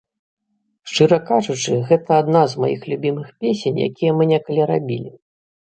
Шчыра кажучы, гэта адна з маіх любімых песень, якія мы некалі рабілі.